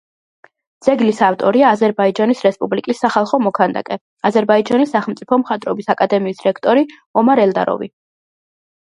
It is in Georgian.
ძეგლის ავტორია აზერბაიჯანის რესპუბლიკის სახალხო მოქანდაკე, აზერბაიჯანის სახელმწიფო მხატვრობის აკადემიის რექტორი ომარ ელდაროვი.